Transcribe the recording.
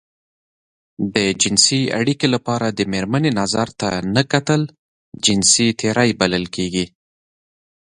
د جنسي اړيکې لپاره د مېرمنې نظر ته نه کتل جنسي تېری بلل کېږي.